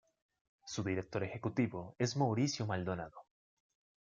Su director ejecutivo es Mauricio Maldonado.